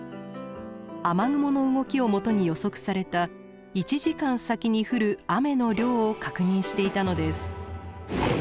雨雲の動きを基に予測された１時間先に降る雨の量を確認していたのです。